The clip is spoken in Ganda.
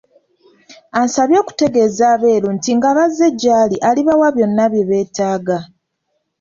Ansabye okutegeeza Abeeru nti nga bazze gy'ali alibawa byonna bye beetaaga.